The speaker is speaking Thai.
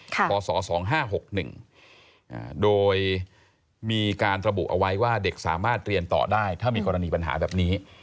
พศ๒๕๖๑โดยมีการระบุเอาไว้ว่าเด็กสามารถเรียนต่อได้ถ้ามีกรณีปัญหาแบบนี้